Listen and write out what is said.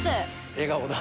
笑顔だ。